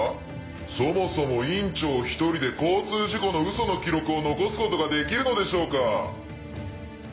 そもそも院長１人で交通事故のウソの記録を残すことができるのでしょうか？